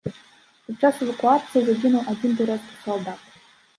Падчас эвакуацыі загінуў адзін турэцкі салдат.